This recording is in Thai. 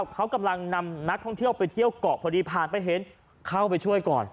เขากำลังนำนักท่องเที่ยวไปเที่ยวเกาะพอดีผ่านไปเห็นเข้าไปช่วยก่อน